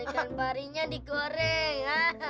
ikan parinya digoreng